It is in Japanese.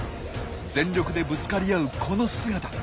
全力でぶつかり合うこの姿。